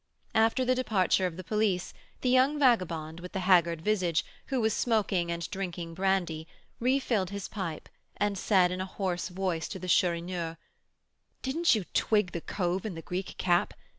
After the departure of the police, the young vagabond with the haggard visage, who was smoking and drinking brandy, refilled his pipe, and said in a hoarse voice to the Chourineur: "Didn't you 'twig' the 'cove' in the Greek cap?